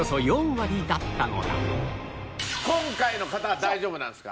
今回の方は大丈夫なんですか？